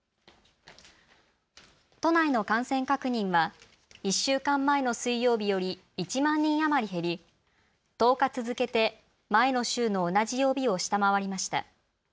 都内の感染確認は１週間前の水曜日より１万人余り減り、１０日続けて前の週の同じ曜日を下回りました。